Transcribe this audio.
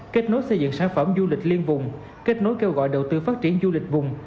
kết nối xây dựng sản phẩm du lịch liên vùng kết nối kêu gọi đầu tư phát triển du lịch vùng